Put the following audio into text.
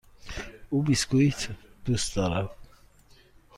او بیسکوییت دوست دارد.